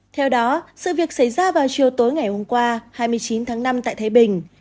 theo đó sự việc xảy ra vào chiều tối ngày hôm qua hai mươi chín tháng năm tại thái bình